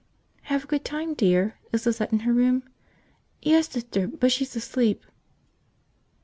"Have a good time, dear. Is Lizette in her room?" "Yes, 'Ster. But she's asleep."